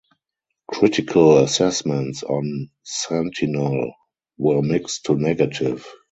Critical assessments on "Sentinelle" were mixed to negative.